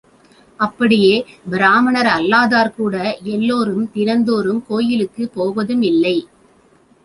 அப்படியே பிராமணரல்லாதார் கூட எல்லோரும் தினந்தோறும் கோயிலுக்குப் போவதுமில்லை.